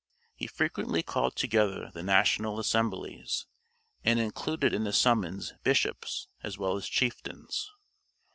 He frequently called together the national assemblies, and included in the summons bishops as well as chieftains.